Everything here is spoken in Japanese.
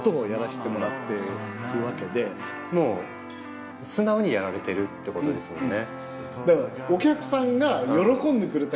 もう素直にやられてるってことですもんね。